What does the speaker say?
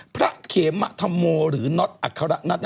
พระเขมถมูลหรือน็อตอัครนัด